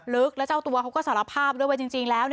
ลึกแล้วเจ้าตัวเขาก็สารภาพด้วยว่าจริงแล้ว